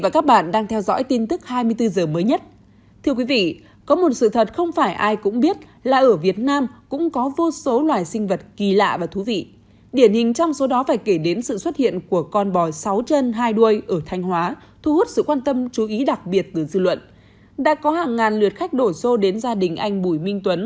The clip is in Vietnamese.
các bạn hãy đăng ký kênh để ủng hộ kênh của chúng mình nhé